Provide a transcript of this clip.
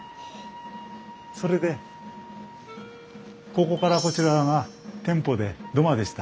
それでここからこちら側が店舗で土間でした。